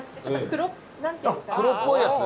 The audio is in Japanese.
黒っぽいやつ？